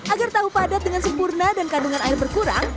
agar tahu padat dengan sempurna dan kandungan air berkurang